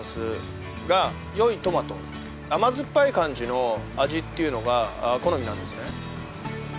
甘酸っぱい感じの味っていうのが好みなんですね。